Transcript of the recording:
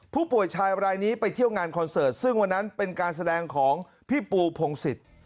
ผู้ป่วยชายรายนี้ไปเที่ยวงานคอนเสิร์ตซึ่งวันนั้นเป็นการแสดงของพี่ปูพงศิษย์